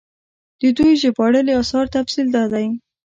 د دوي ژباړلي اثارو تفصيل دا دی